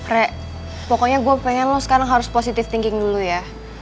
rek pokoknya gue pengen lo sekarang harus positive thinking dulu ya